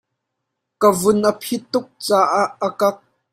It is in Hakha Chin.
Ka vun a phit tuk caah a kak.